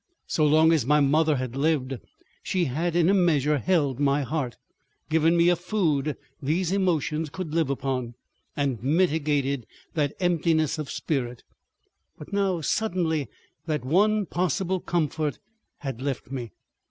So long as my mother had lived, she had in a measure held my heart, given me a food these emotions could live upon, and mitigated that emptiness of spirit, but now suddenly that one possible comfort had left me.